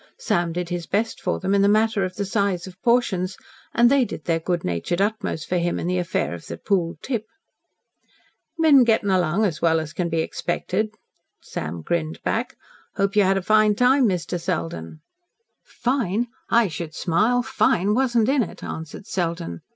Sam did his best for them in the matter of the size of portions, and they did their good natured utmost for him in the affair of the pooled tip. "Been getting on as well as can be expected," Sam grinned back. "Hope you had a fine time, Mr. Selden?" "Fine! I should smile! Fine wasn't in it," answered Selden.